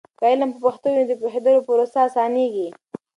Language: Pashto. که علم په پښتو وي، نو د پوهیدلو پروسه اسانېږي.